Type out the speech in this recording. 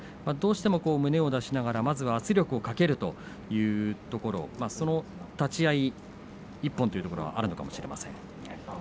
どうしても胸を出しながら圧力をかけるというところ立ち合い１本というところがあるかもしれません。